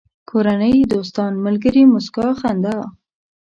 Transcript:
کورنۍ، دوستان، ملگري، موسکا، خندا